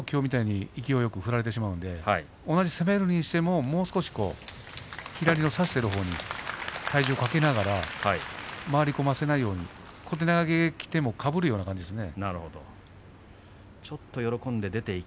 一気にガーッと出てしまうときょうみたいに振られてしまうので同じ攻めるにしても左の差しているほうに体重をかけながら回り込ませないように小手投げがきてもかぶるような感じですね。